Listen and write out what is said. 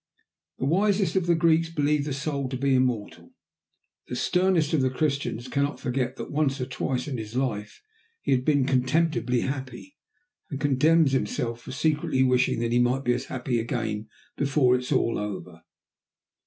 The wisest of the Greeks believed the soul to be immortal; the sternest of Christians cannot forget that once or twice in his life he had been contemptibly happy, and condemns himself for secretly wishing that he might be as happy again before all is over.